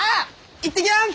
行ってきます！